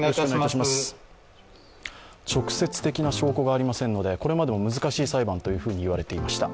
直接的な証拠がありませんので、これまでも難しい裁判といわれていました。